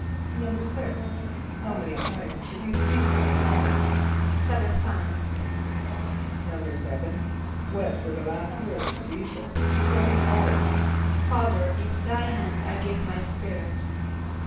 = =6.= How many times did he speak from the cross? =Seven times.= =7.= What were the last words of J[=e]´[s+]us before he died? ="Father, into thy hands I give my spirit."